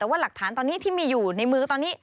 แต่ว่าหลักฐานตอนนี้ที่มีอยู่ในมือตอนนี้